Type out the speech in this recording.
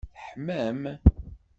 Teḥmam?